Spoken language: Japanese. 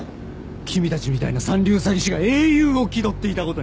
君たちみたいな三流詐欺師が英雄を気取っていたことに。